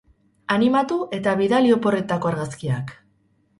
Animatu eta bidali oporretako argazkiak!